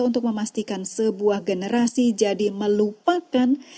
untuk memastikan sebuah generasi jadi melupakan